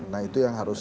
nah itu yang harus